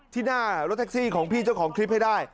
ที่หน้ารถแท็กซี่ของพี่เจ้าของคลิปให้ได้